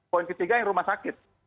poin ketiga yang rumah sakit